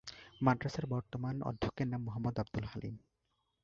মাদ্রাসার বর্তমান অধ্যক্ষের নাম মোহাম্মদ আবদুল হালিম।